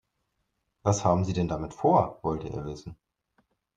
"Was haben Sie denn damit vor?", wollte er wissen.